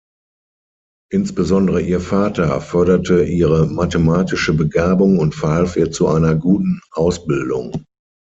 Insbesondere ihr Vater förderte ihre mathematische Begabung und verhalf ihr zu einer guten Ausbildung.